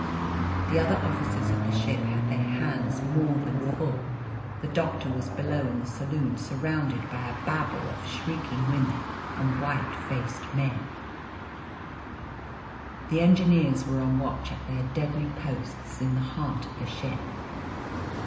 The other officers of the ship had their hands more than full. The doctor was below in the saloon surrounded by a babel of shrieking women and white faced men; the engineers were on watch at their deadly posts in the heart of the ship.